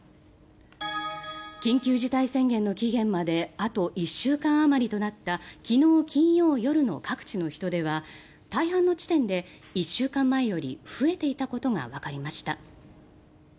緊急事態宣言の期限まであと１週間あまりとなった昨日金曜日夜の各地の人出は大半の地点で１週間前より増えていたことがわかりました。